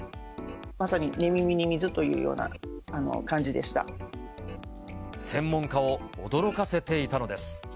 まさに寝耳に水というような専門家を驚かせていたのです。